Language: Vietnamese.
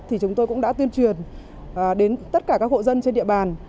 thì chúng tôi cũng đã tuyên truyền đến tất cả các hộ dân trên địa bàn